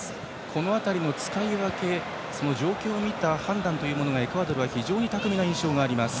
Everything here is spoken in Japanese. この辺りの使い分け状況を見た判断がエクアドルは非常に巧みな印象があります。